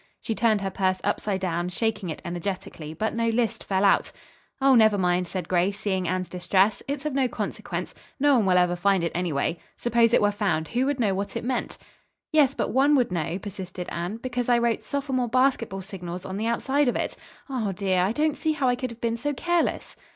She turned her purse upside down, shaking it energetically, but no list fell out. "Oh, never mind," said Grace, seeing Anne's distress. "It's of no consequence. No one will ever find it anyway. Suppose it were found, who would know what it meant?" "Yes, but one would know," persisted Anne, "because I wrote 'Sophomore basketball signals' on the outside of it. Oh, dear, I don't see how I could have been so careless."